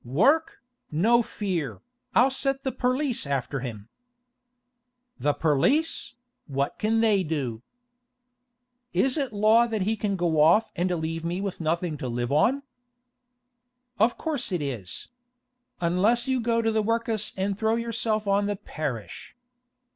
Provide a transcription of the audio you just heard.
'Work! No fear! I'll set the perlice after him.' 'The perlice! What can they do?' 'Is it law as he can go off and leave me with nothing to live on?' 'Course it is! Unless you go to the work'us an' throw yourself on the parish.